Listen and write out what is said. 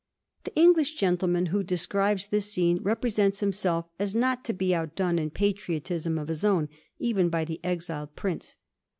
The English gentleman who de scribes this scene represents himself as not to be out done in patriotism of his own even by the exiled Prince.